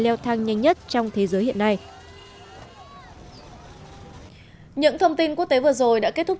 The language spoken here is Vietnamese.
leo thang nhanh nhất trong thế giới hiện nay những thông tin quốc tế vừa rồi đã kết thúc